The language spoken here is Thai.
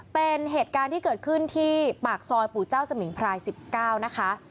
เป็นเหตุการณ์ที่เกิดขึ้นที่ปากซอยปู่เจ้าสมิงพราย๑๙นะคะ